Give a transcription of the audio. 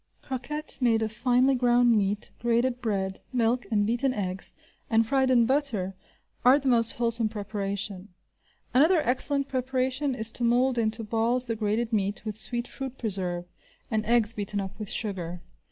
Croquettes made of finely ground meat, grated bread, milk, and beaten eggs, and fried in butter, are the most wholesome preparation. Another excellent preparation is to mould into balls the grated meat, with sweet fruit preserve, and eggs beaten up with sugar.